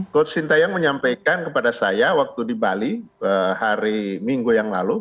coach sintayong menyampaikan kepada saya waktu di bali hari minggu yang lalu